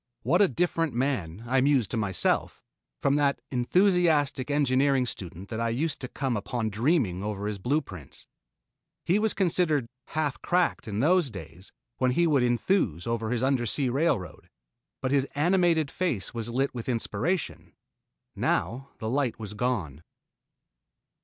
What a different man, I mused to myself, from that enthusiastic engineering student that I used to come upon dreaming over his blue prints. He was considered "half cracked" in those days when he would enthuse over his undersea railroad, but his animated face was lit with inspiration. Now the light was gone.